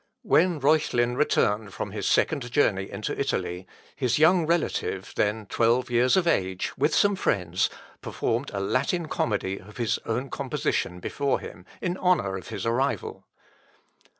When Reuchlin returned from his second journey into Italy, his young relative, then twelve years of age, with some friends, performed a Latin comedy of his own composition before him, in honour of his arrival.